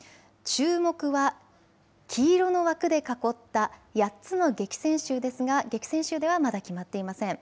注目は、黄色の枠で囲った８つの激戦州ですが激戦州ではまだ決まっていません。